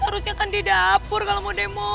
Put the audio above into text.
terusnya kan di dapur kalau mau demo